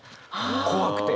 怖くて。